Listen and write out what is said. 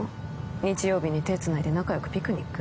日曜日に手つないで仲よくピクニック？